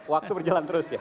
waktu berjalan terus ya